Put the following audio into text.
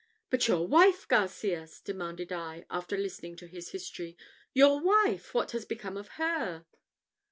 "But your wife, Garcias!" demanded I, after listening to his history "your wife! what has become of her?"